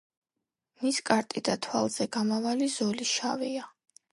ნისკარტი და თვალზე გამავალი ზოლი შავია.